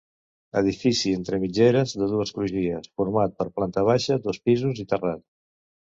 Edifici entre mitgeres, de dues crugies, format per planta baixa, dos pisos i terrat.